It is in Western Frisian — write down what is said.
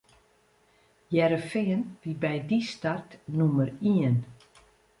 Hearrenfean wie by dy start nûmer ien.